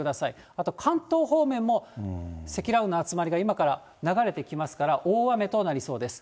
あと関東方面も、積乱雲の集まりが今から流れてきますから、大雨となりそうです。